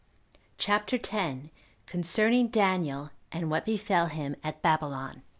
CHAPTER 10. Concerning Daniel And What Befell Him At Babylon.